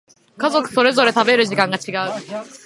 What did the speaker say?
家族それぞれ食べる時間が違う